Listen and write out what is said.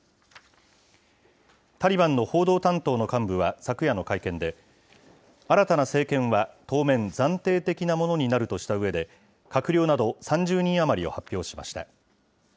タリバンの報道担当の幹部は昨夜の会見で、新たな政権は当面、暫定的なものになるとしたうえで、閣僚など３０人余りを発表しました。